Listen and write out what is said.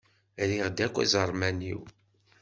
Rriɣ-d akk iẓerman-iw.